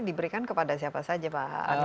diberikan kepada siapa saja pak